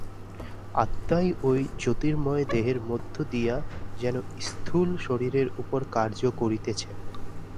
আত্মাই ঐ জ্যোতির্ময় দেহের মধ্য দিয়া যেন স্থূল শরীরের উপর কার্য করিতেছেন।